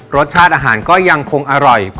รสชาติอาหารก็ยังคงอร่อย